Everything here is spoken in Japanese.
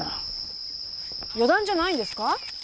予断じゃないんですか？